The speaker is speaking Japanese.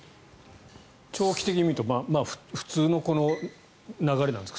長期的に見ると普通の流れなんですか？